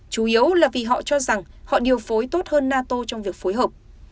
chủ yếu là vì họ cho rằng họ điều phối tốt hơn nato trong việc phối hợp